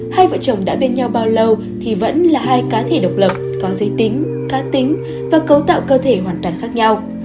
hai vợ chồng đã bên nhau bao lâu thì vẫn là hai cá thể độc lập có giới tính cá tính và cấu tạo cơ thể hoàn toàn khác nhau